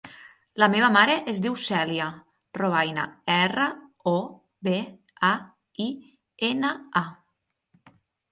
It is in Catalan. La meva mare es diu Cèlia Robaina: erra, o, be, a, i, ena, a.